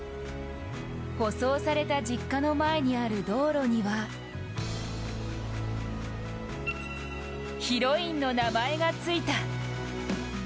舗装された実家の前にある道路にはヒロインの名前がついた。